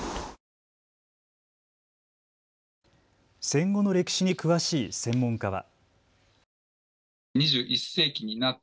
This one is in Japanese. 戦後の歴史に詳しい専門家は。